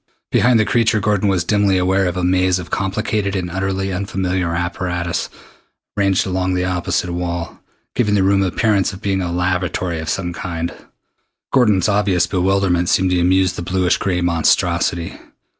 Behind the creature Gordon was dimly aware of a maze of complicated and utterly unfamiliar apparatus ranged along the opposite wall, giving the room the appearance of being a laboratory of some kind. Gordon's obvious bewilderment seemed to amuse the bluish gray monstrosity.